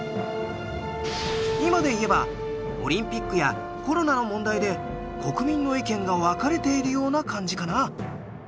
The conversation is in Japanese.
今で言えばオリンピックやコロナの問題で国民の意見が分かれているような感じかな。